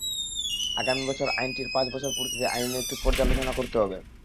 আগামী বছর আইনটির পাঁচ বছর পূর্তিতে আইনের একটি পর্যালোচনা করতে হবে।